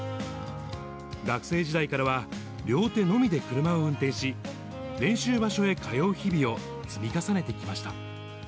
学生時代からは両手のみで車を運転し、練習場所へ通う日々を積み重ねてきました。